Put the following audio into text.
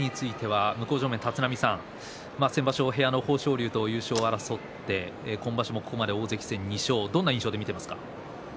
富士については向正面の立浪さん先場所は部屋の豊昇龍と優勝を争って、今場所もここまで大関戦２勝どんなふうに見ていますか？